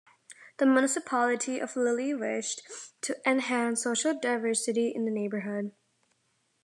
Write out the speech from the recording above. The municipality of Lille wished to enhance social diversity in the neighborood.